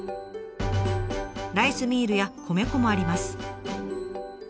ライスミールや米粉もあります。